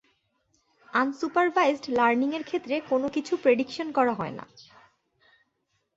Unsupervised learning এর ক্ষেত্রে কোন কিছু প্রিডিকশন করা হয় না।